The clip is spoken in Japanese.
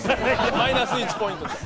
マイナス１ポイントです。